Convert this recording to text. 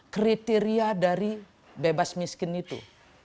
kriteria dari bebas miskin itu